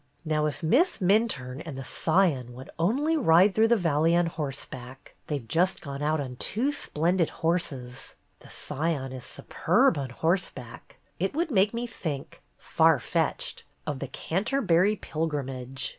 Now if Miss Minturne and the Scion would only ride through the valley on horse back, — they 've just gone out on two splendid horses ; the Scion is superb on horseback, — it would make me think — far fetched !— of the Canterbuiy Pilgrimage.